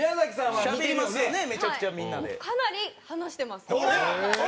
はいかなり話してます。